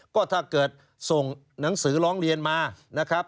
ก็ถ้าเกิดส่งหนังสือร้องเรียนมานะครับ